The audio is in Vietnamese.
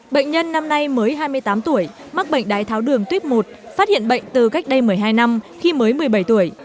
bệnh nhân năm nay mới hai mươi tám tuổi mắc bệnh đái tháo đường tuyếp một phát hiện bệnh từ cách đây một mươi hai năm khi mới một mươi bảy tuổi